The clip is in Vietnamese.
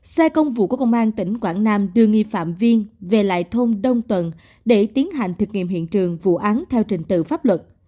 xe công vụ của công an tỉnh quảng nam đưa nghi phạm viên về lại thôn đông tuần để tiến hành thực nghiệm hiện trường vụ án theo trình tự pháp luật